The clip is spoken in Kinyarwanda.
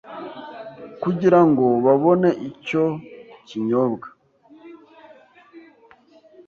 kugira ngo babone icyo kinyobwa